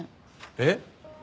えっ？